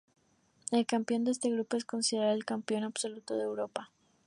El campeón de este grupo es considerado el campeón absoluto de Europa.